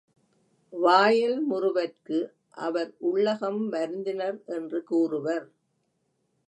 வாயல் முறுவற்கு அவர் உள்ளகம் வருந்தினர் என்று கூறுவர்.